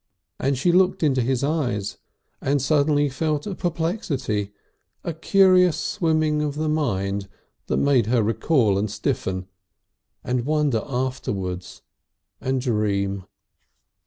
And she looked into his eyes and suddenly felt a perplexity, a curious swimming of the mind that made her recoil and stiffen, and wonder afterwards and dream....